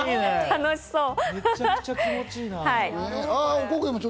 楽しそう！